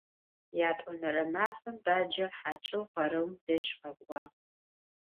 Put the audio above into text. Yat'onere mafem bacer haç'eu khereum dej khek'uağ.